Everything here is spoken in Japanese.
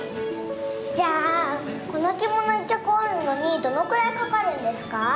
じゃあこのきもの１ちゃくおるのにどのくらいかかるんですか？